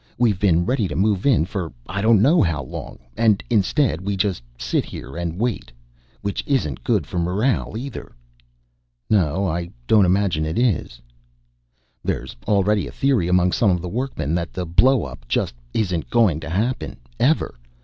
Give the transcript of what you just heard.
"We've been ready to move in for I don't know how long. And instead we just sit here and wait. Which isn't good for morale, either." "No, I don't imagine it is." "There's already a theory among some of the workmen that the blow up just isn't going to happen, ever.